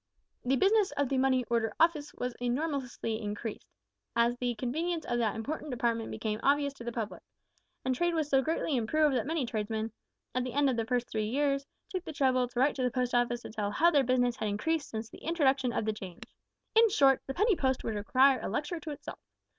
The business of the Money Order Office was enormously increased, as the convenience of that important department became obvious to the public, and trade was so greatly improved that many tradesmen, at the end of the first three years, took the trouble to write to the Post Office to tell how their business had increased since the introduction of the change. In short, the Penny Post would require a lecture to itself.